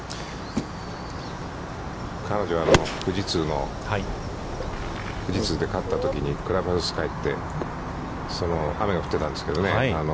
彼女は富士通の富士通で勝ったときに、クラブハウスに帰って雨が降ってたんですけどね。